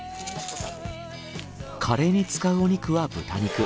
カレーに使うお肉は豚肉。